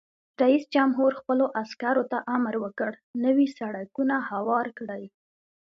رئیس جمهور خپلو عسکرو ته امر وکړ؛ نوي سړکونه هوار کړئ!